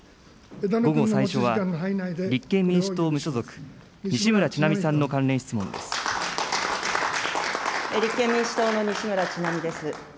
午後最初は立憲民主党・無所属、西村智奈美さんの関連質問で立憲民主党の西村智奈美です。